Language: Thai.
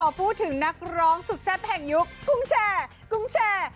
ขอพูดถึงนักร้องสุดแซ่บแห่งยุคกรุงแชเกลียงกรุงแช